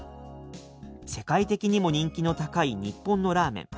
世界的にも人気の高い日本のラーメン。